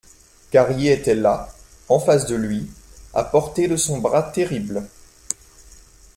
Carrier était là, en face de lui, à portée de son bras terrible.